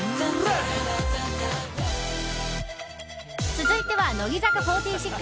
続いては、乃木坂４６。